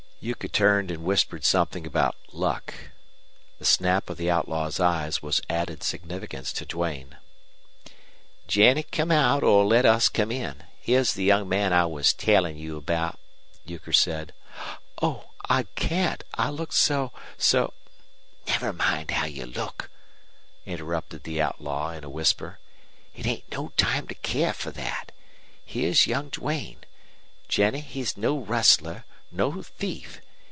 Euchre turned and whispered something about luck. The snap of the outlaw's eyes was added significance to Duane. "Jennie, come out or let us come in. Here's the young man I was tellin' you about," Euchre said. "Oh, I can't! I look so so " "Never mind how you look," interrupted the outlaw, in a whisper. "It ain't no time to care fer thet. Here's young Duane. Jennie, he's no rustler, no thief.